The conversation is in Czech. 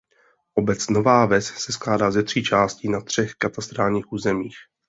Obec Nová Ves se skládá ze tří částí na třech katastrálních územích.